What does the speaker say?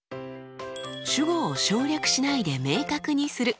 主語を省略しないで明確にする。